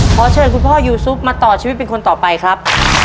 ขอเชิญคุณพ่อยูซุปมาต่อชีวิตเป็นคนต่อไปครับ